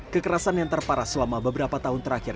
kekerasan yang terparah selama beberapa tahun terakhir